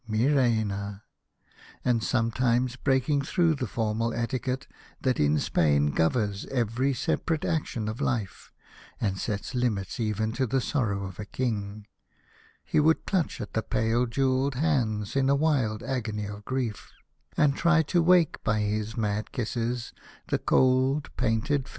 Mi reina !" and sometimes breaking through the formal etiquette that in Spain governs every separate action of life, and sets limits even to the sorrow of a King, he would clutch at the pale jewelled hands in a wild agony of grief, and try to wake by his mad kisses the cold painted face.